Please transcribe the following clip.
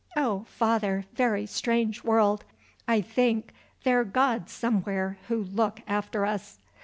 Oh! Father, very strange world! I think there God somewhere who look after us!"